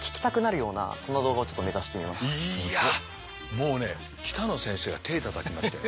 もうね北野先生が手たたきましたよ。